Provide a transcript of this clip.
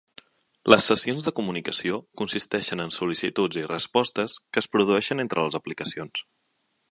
Les sessions de comunicació consisteixen en sol·licituds i respostes que es produeixen entre les aplicacions.